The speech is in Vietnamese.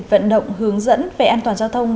vận động hướng dẫn về an toàn giao thông